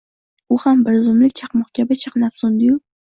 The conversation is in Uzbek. U ham bir zumlik chaqmoq kabi chaqnab so’ndiyu